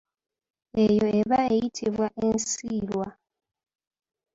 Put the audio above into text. Eyo eba eyitibwa ensiirwa.